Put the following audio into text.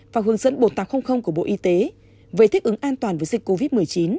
và hướng dẫn một nghìn tám trăm linh của bộ y tế về thích ứng an toàn với dịch covid một mươi chín